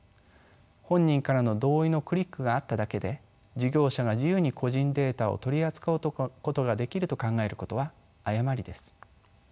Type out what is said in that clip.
本人からの同意のクリックがあっただけで事業者が自由に個人データを取り扱うことができると考えることは誤りです。